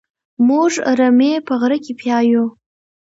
موږ رمې په غره کې پيايو.